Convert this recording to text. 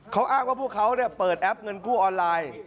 เขาอ้างว่าพวกเขาเปิดแอปเงินกู้ออนไลน์